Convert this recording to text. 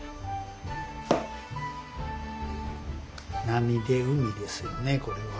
波で海ですよねこれは。